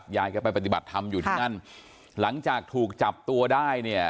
ยายก็ไปปฏิบัติทำอยู่ทั้งนั้นหลังจากถูกจับตัวได้